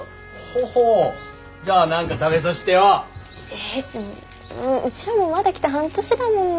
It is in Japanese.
えうちらもまだ来て半年だもんな。